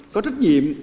có trách nhiệm